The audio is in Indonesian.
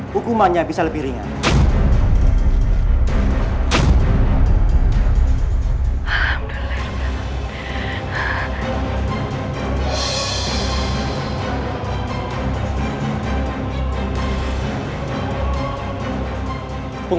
hukumannya bisa lebih ringan